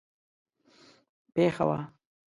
پېښه وه.